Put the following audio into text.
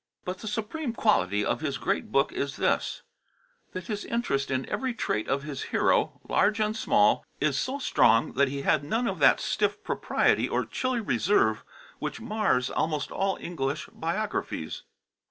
But the supreme quality of his great book is this that his interest in every trait of his hero, large and small, is so strong that he had none of that stiff propriety or chilly reserve which mars almost all English biographies.